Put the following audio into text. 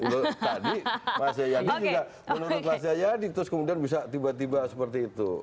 tadi mas jayadi juga menurut mas jayadi terus kemudian bisa tiba tiba seperti itu